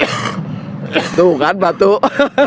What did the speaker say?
itu bukan batuk